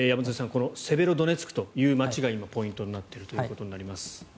このセベロドネツクという街が今、ポイントになっているということになります。